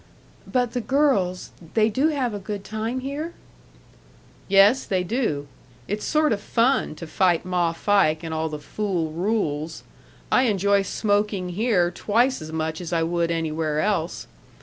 "But the girls they do have a good time here?" "Yes, they do. It's sort of fun to fight Ma Fike and all the fool rules. I enjoy smoking here twice as much as I would anywhere else.